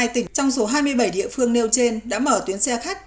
hai mươi hai tỉnh trong số hai mươi bảy địa phương nêu trên đã mở tuyến xe khách